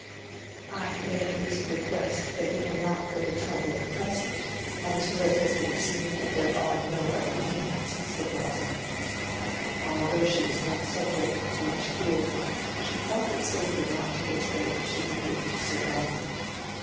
"I may at least request that you will not go to Trumbull at present—until it has been seen that there are no other means," said Rosamond. Although she was not subject to much fear, she felt it safer not to betray that she had written to Sir Godwin.